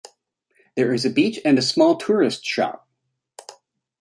There is a beach and a small tourist shop.